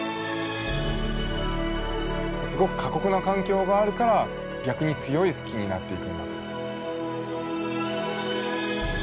すごく過酷な環境があるから逆に強い木になっていくんだと。